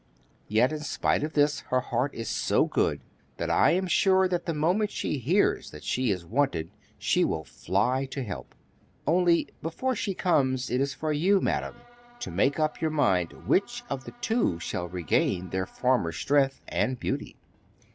Yet, in spite of this, her heart is so good, that I am sure that the moment she hears that she is wanted she will fly to help. Only, before she comes, it is for you, Madam, to make up your mind which of the two shall regain their former strength and beauty.